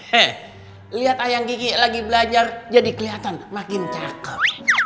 heh liat ayang kiki lagi belajar jadi keliatan makin cakep